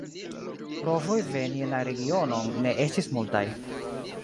Provoj veni en la regionon ne estis multaj.